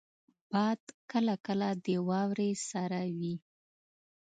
باد کله کله د واورې سره وي